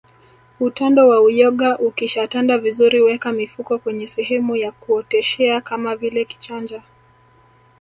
Utando wa uyoga ukishatanda vizuri weka mifuko kwenye sehemu ya kuoteshea kama vile kichanja